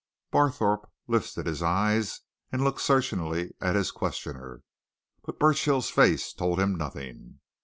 Barthorpe lifted his eyes and looked searchingly at his questioner. But Burchill's face told him nothing.